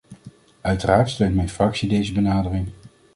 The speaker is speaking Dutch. Uiteraard steunt mijn fractie deze benadering.